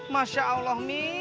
masya allah mi